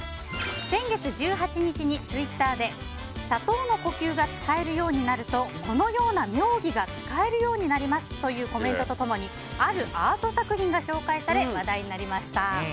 先月１８日にツイッターで砂糖の呼吸が使えるとこのような妙技が使えるようになりますというコメントと共にあるアート作品が紹介され話題になりました。